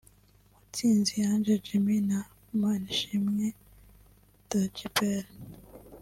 Mutsinzi Ange Jimmy na Manishimwe Djabel